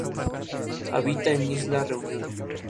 Habita en Isla Reunión.